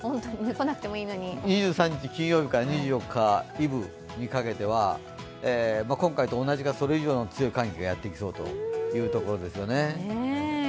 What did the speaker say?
２３日、金曜日から２４日イブにかけては今回と同じか、それ以上の強い寒気がやってきそうというところですよね。